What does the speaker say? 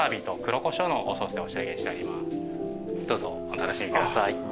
どうぞお楽しみください。